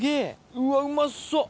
うわうまそう！